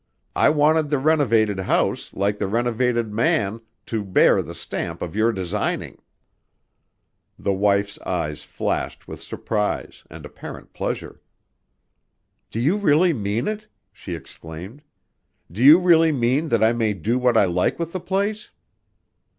I wanted the renovated house, like the renovated man, to bear the stamp of your designing." The wife's eyes flashed with surprise and apparent pleasure. "Do you really mean it?" she exclaimed. "Do you really mean that I may do what I like with the place?"